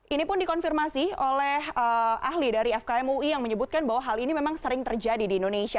ini pun dikonfirmasi oleh ahli dari fkm ui yang menyebutkan bahwa hal ini memang sering terjadi di indonesia